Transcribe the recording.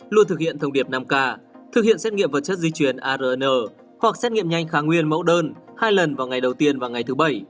luôn thực hiện thông điệp năm k thực hiện xét nghiệm vật chất di chuyển arn hoặc xét nghiệm nhanh kháng nguyên mẫu đơn hai lần vào ngày đầu tiên và ngày thứ bảy